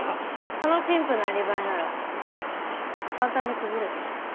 その陳腐なアリバイなら簡単に崩れたよ。